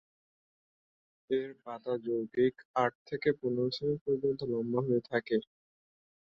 এর পাতা যৌগিক, আট থেকে পনেরো সেমি পর্যন্ত লম্বা হয়ে থাকে।